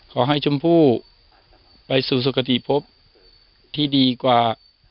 ขอให้ชมพู่ไปสู่สุขติพบที่ดีกว่า